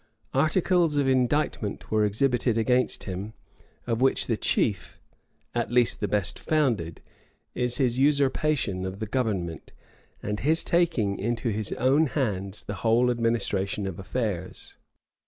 Articles of indictment were exhibited against him;[] of which the chief, at least the best founded, is his usurpation of the government, and his taking into his own hands the whole administration of affairs.